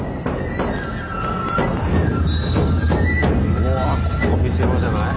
おわここ見せ場じゃない？